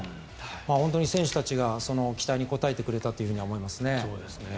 本当に選手たちがその期待に応えてくれたと思いますね。